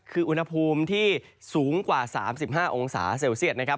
คืออุณหภูมิที่สูงกว่า๓๕องศาเซลเซียตนะครับ